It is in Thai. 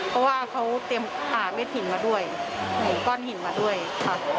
เพราะว่าเขาเตรียมหาเม็ดหินมาด้วยมีก้อนหินมาด้วยค่ะ